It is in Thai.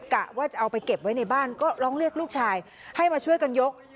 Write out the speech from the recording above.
กะว่าจะเอาไปเก็บไว้ในบ้านก็ร้องเรียกลูกชายให้มาช่วยกันยก